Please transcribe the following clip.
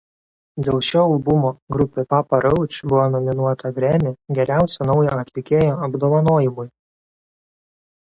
Dėl šio albumo grupė Papa Roach buvo nominuota Grammy „Geriausio Naujo Atlikėjo“ apdovanojimui.